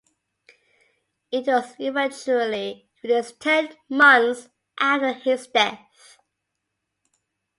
It was eventually released ten months after his death.